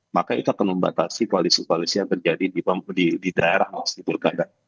maka itu akan membatasi koalisi koalisi yang terjadi di daerah